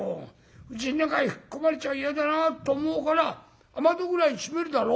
うちん中へ吹き込まれちゃ嫌だなと思うから雨戸ぐらい閉めるだろ？